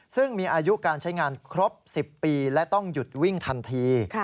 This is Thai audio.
ซึ่งมีอายุการใช้งานครบ๑๐ปีและต้องหยุดวิ่งทันที